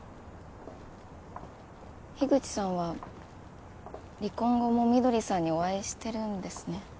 樋口さんは離婚後も翠さんにお会いしてるんですね。